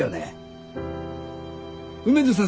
梅津さん